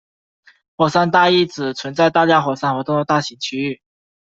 火山带意指存在大量火山活动的大型区域。